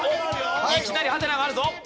いきなりハテナがあるぞ。